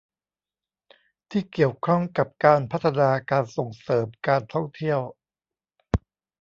ที่เกี่ยวข้องกับการพัฒนาการส่งเสริมการท่องเที่ยว